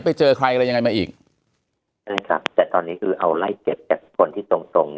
ไปเจอใครอะไรยังไงมาอีกใช่ไหมครับแต่ตอนนี้คือเอาไล่เก็บจากคนที่ตรงตรง